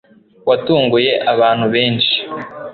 Watunguye abantu benshi